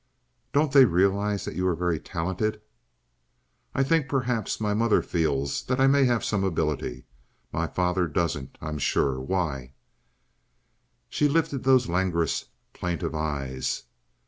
"Don't they realize that you are very talented?" "I think perhaps my mother feels that I may have some ability. My father doesn't, I'm sure. Why?" She lifted those languorous, plaintive eyes.